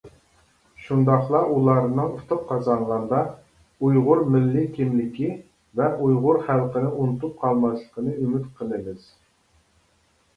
شۇنداقلا ئۇلارنىڭ ئۇتۇق قازانغاندا، ئۇيغۇر مىللىي كىملىكى ۋە ئۇيغۇر خەلقىنى ئۇنتۇپ قالماسلىقىنى ئۈمىد قىلىمىز!